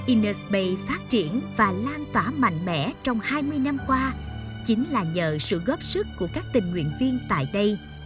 inner space phát triển và lan tỏa mạnh mẽ trong hai mươi năm qua chính là nhờ sự góp sức của các tình nguyện viên tại đây